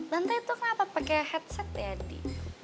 tante itu kenapa pake headset ya di